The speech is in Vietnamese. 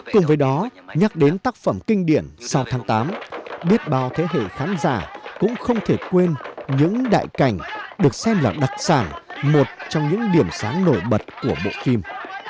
cùng với đó nhắc đến tác phẩm kinh điển sau tháng tám biết bao thế hệ khán giả cũng không thể quên những đại cảnh được xem là đặc sản một trong những điểm sáng nổi bật của bộ phim